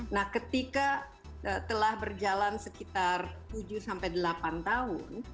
nah ketika telah berjalan sekitar tujuh sampai delapan tahun